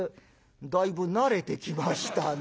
「だいぶ慣れてきましたね。